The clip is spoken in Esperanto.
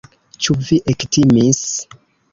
Ĉu vi ektimis?